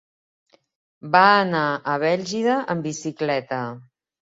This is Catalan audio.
Va anar a Bèlgida amb bicicleta.